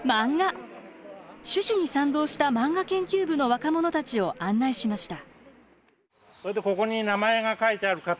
趣旨に賛同したマンガ研究部の若者たちを案内しました。